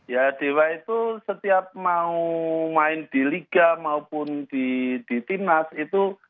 ya dewa itu setiap mau main di liga maupun di timnas itu